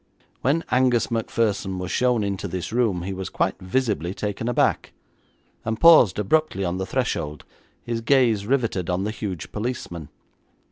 When Angus Macpherson was shown into this room he was quite visibly taken aback, and paused abruptly on the threshold, his gaze riveted on the huge policeman.